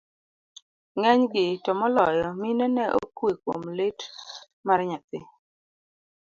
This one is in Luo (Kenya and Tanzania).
ng'enygi, to moloyo mine ne okwe kuom lit mar nyathi